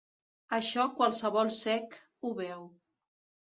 Això qualsevol cec ho veu.